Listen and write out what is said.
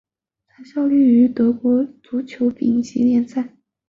他现在效力于德国足球丙级联赛球队斯图加特踢球者。